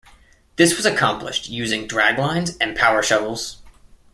This was accomplished using draglines and power shovels.